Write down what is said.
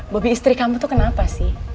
bobi istri kamu tuh kenapa sih